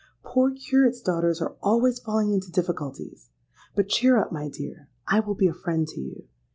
Poor curates' daughters are always falling into difficulties. But cheer up, my dear: I will be a friend to you.